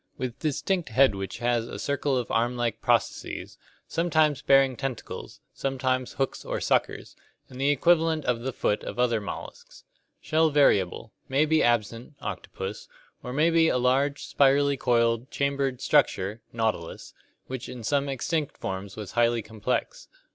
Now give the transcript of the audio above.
With distinct head which has a circle of arm like processes, sometimes bearing tentacles, sometimes hooks or suckers, and the equivalent of the foot of other molluscs. Shell variable; may be absent (octopus), or may be a large, spirally coiled, chambered structure (nautilus) which in some extinct forms was highly complex.